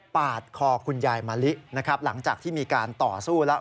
ปาดคอคุณยายมะลินะครับหลังจากที่มีการต่อสู้แล้ว